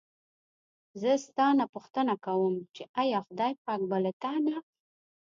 زه ستا نه پوښتنه کووم چې ایا خدای پاک به له تا نه.